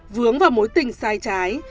vướng vào mối tình sai trái